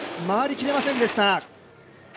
回りきれませんでした。